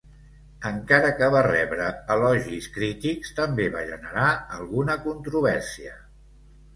Encara que va rebre elogis crítics, també va generar alguna controvèrsia.